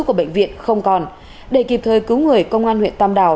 của bệnh viện không còn để kịp thời cứu người công an huyện tam đào